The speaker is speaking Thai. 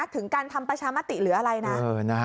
ถึงการทำประชามติหรืออะไรนะ